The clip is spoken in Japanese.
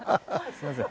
すいません。